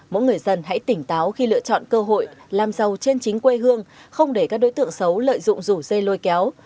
mỗi người dân hãy tỉnh táo khi lựa chọn cơ hội làm giàu trên chính quê hương không để các đối tượng xấu lợi dụng rủ dây lôi kéo